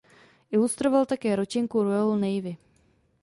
Ilustroval také ročenky Royal Navy.